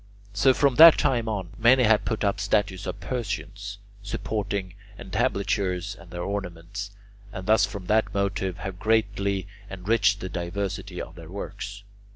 So from that time on, many have put up statues of Persians supporting entablatures and their ornaments, and thus from that motive have greatly enriched the diversity of their works.